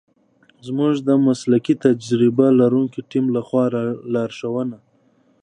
زمونږ د مسلکي تجربه لرونکی تیم لخوا لارښونه